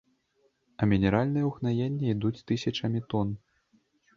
А мінеральныя ўгнаенні ідуць тысячамі тон.